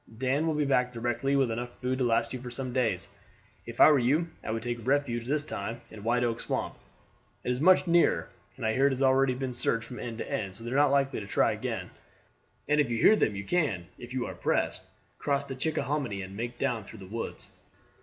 Dan will be back directly with enough food to last you for some days. If I were you I would take refuge this time in White Oak Swamp. It is much nearer, and I hear it has already been searched from end to end, so they are not likely to try again; and if you hear them you can, if you are pressed, cross the Chickahominy and make down through the woods.